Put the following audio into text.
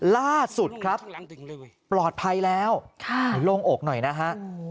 ล่าสุดครับปลอดภัยแล้วโล่งอกหน่อยนะฮะ